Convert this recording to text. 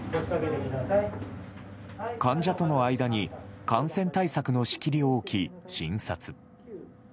患者との間に感染対策の仕切りを置き、診察。